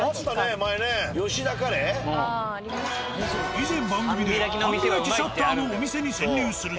以前番組で半開きシャッターのお店に潜入すると。